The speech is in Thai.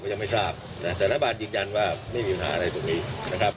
ยังไม่ทราบนะแต่รัฐบาลยืนยันว่าไม่มีปัญหาอะไรตรงนี้นะครับ